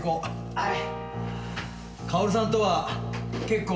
はい。